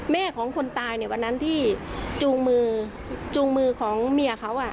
แม่ของคนตายในวันนั้นที่จูงมือจูงมือของเมียเขา